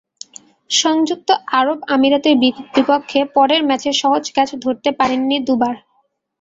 সংযুক্ত আরব আমিরাতের বিপক্ষে পরের ম্যাচে সহজ ক্যাচ ধরতে পারেননি দুবার।